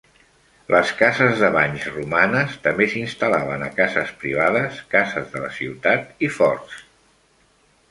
Les cases de banys romanes també s'instal·laven a cases privades, cases de la ciutat i forts.